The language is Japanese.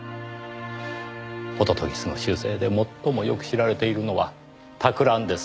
杜鵑の習性で最もよく知られているのは托卵です。